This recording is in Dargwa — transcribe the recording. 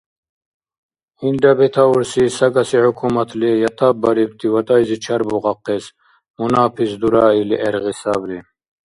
Илра бетаурси сагаси хӏукуматли ятапбарибти ватӏайзи чарбухъахъес мунапис дураили гӏергъи сабри.